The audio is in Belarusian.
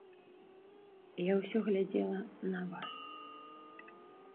Я ўсё глядзела на вас.